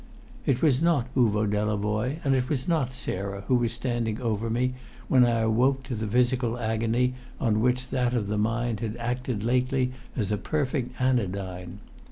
It was not Uvo Delavoye, and it was not Sarah, who was standing over me when I awoke to the physical agony on which that of the mind had acted lately as a perfect anodyne.